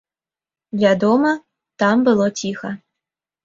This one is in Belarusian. Вядома, там было ціха.